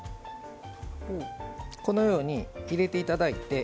このように入れていただいて。